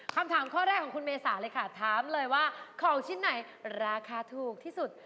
คำถามข้อแรกของคุณเมษาเลยค่ะถามเลยว่าของชิ้นไหนราคาถูกที่สุด